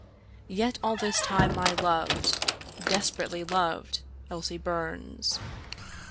Yet all this time I loved — desperately loved — Elsie Burns.